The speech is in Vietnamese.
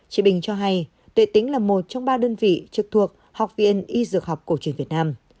chị bình cho hay tuệ tính là một trong ba đơn vị trực thuộc học viện y dược học cổ truyền việt nam